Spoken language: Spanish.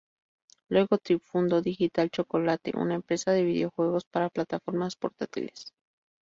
Luego Trip fundó Digital Chocolate, una empresa de videojuegos para plataformas portátiles.